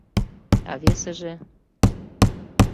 А весыже...